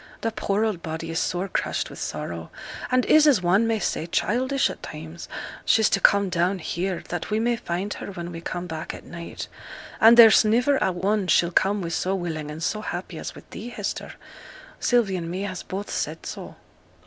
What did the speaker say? Th' poor old body is sore crushed with sorrow; and is, as one may say, childish at times; she's to come down here, that we may find her when we come back at night; and there's niver a one she'll come with so willing and so happy as with thee, Hester. Sylvie and me has both said so.'